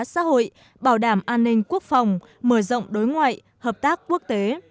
xã hội bảo đảm an ninh quốc phòng mở rộng đối ngoại hợp tác quốc tế